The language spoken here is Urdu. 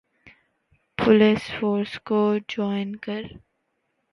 پولیس فورس کو جوائن کر